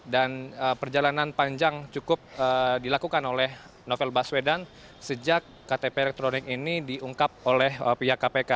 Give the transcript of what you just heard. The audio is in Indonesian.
dan perjalanan panjang cukup dilakukan oleh novel baswedan sejak ktp elektronik ini diungkap oleh pihak kpk